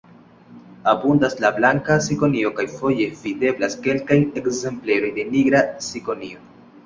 Abundas la blanka cikonio kaj foje videblas kelkaj ekzempleroj de nigra cikonio.